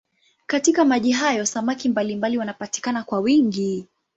Katika maji hayo samaki mbalimbali wanapatikana kwa wingi.